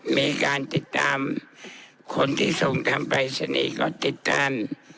มีการติดตามคนที่ส่งทำรายสนิกก็ติดตั้น